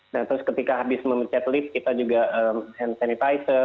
nah terus ketika habis memecat lift kita juga hand sanitizer